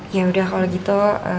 yaudah kalau gitu